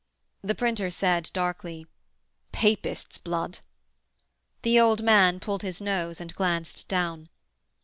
The printer said darkly: 'Papists' blood.' The old man pulled his nose and glanced down.